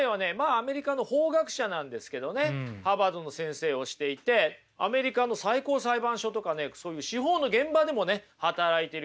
アメリカの法学者なんですけどねハーバードの先生をしていてアメリカの最高裁判所とかねそういう司法の現場でもね働いてるような人なんですよ。